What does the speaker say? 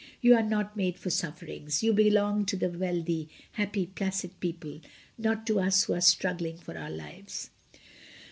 "You are not made for sufferings; you belong to the wealthy, happy, placid people, not to us who are struggling for our lives."